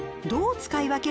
使い分け？